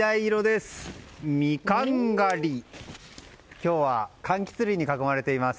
今日は柑橘類に囲まれています。